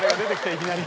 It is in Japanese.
いきなり。